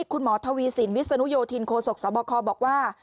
คุณหมอทวีลศริวิษณุโยธินโศกษาบคบอกว่า